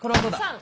３！